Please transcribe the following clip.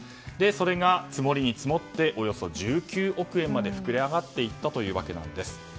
それが積もりに積もっておよそ１９億円まで膨れ上がっていったというわけなんです。